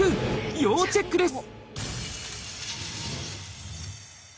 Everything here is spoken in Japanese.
要チェックです